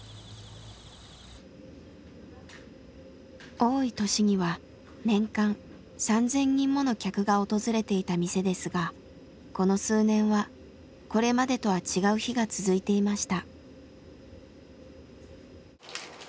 多い年には年間３，０００人もの客が訪れていた店ですがこの数年はこれまでとは違う日が続いていました。